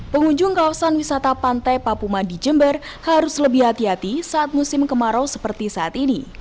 pengunjung kawasan wisata pantai papuma di jember harus lebih hati hati saat musim kemarau seperti saat ini